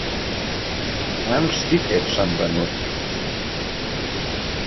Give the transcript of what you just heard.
Quants tiquets s'han venut?